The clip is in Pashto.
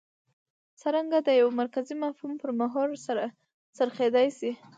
څرنګه د یوه مرکزي مفهوم پر محور څرخېدای شي.